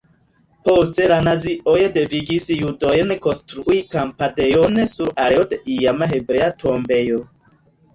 Poste la nazioj devigis judojn konstrui kampadejon sur areo de iama hebrea tombejo.